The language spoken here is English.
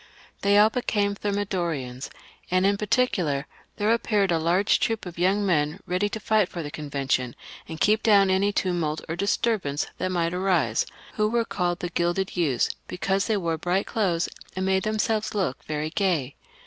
They all became Thermidorians, and in par ticular, there appeared a large troop of young men, ready to fight for the Convention, and keep down any tumult or disturbance that might arise, who were called the Gilded Youths, because they wore bright clothes, and made them selves look very gay.